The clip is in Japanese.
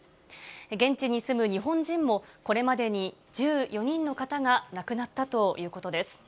現地に住む日本人も、これまでに１４人の方が亡くなったということです。